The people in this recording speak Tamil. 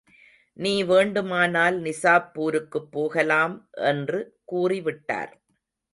நீ வேண்டுமானால் நிசாப்பூருக்குப் போகலாம் என்று கூறிவிட்டார்.